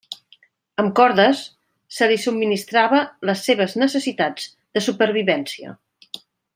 Amb cordes, se li subministrava les seves necessitats de supervivència.